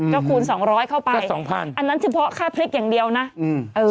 ก็คูณ๒๐๐เข้าไปอันนั้นเฉพาะค่าพริกอย่างเดียวนะอืม